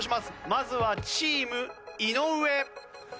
まずはチーム井上。